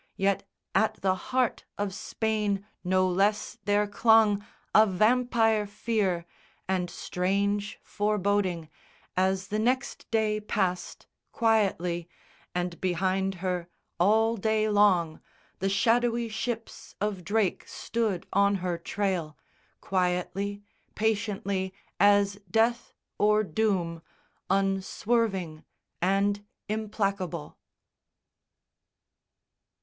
Yet at the heart Of Spain no less there clung a vampire fear And strange foreboding, as the next day passed Quietly, and behind her all day long The shadowy ships of Drake stood on her trail Quietly, patiently, as death or doom, Unswerving and implacable.